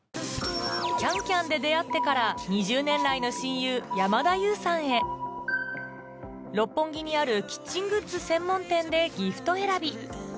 『ＣａｎＣａｍ』で出会ってから２０年来の親友山田優さんへ六本木にあるキッチングッズ専門店でギフト選び